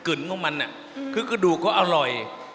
กลิ่นของมันเนี่ยคือกระดูกก็อร่อย